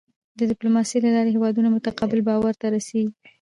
د ډیپلوماسی له لارې هېوادونه متقابل باور ته رسېږي.